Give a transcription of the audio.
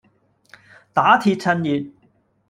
打鐵趁熱